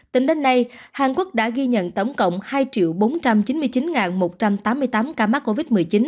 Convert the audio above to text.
tính đến nay hàn quốc đã ghi nhận tổng cộng hai bốn trăm chín mươi chín một trăm tám mươi tám ca mắc covid một mươi chín